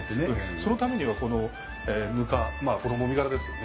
そのためにはこのぬかこのもみ殻ですよね。